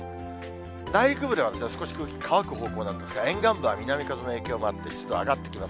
内陸部では少し空気乾く方向なんですが、沿岸部は南風の影響もあって、湿度、上がってきます。